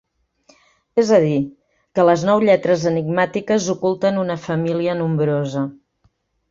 És a dir, que les nou lletres enigmàtiques oculten una família nombrosa.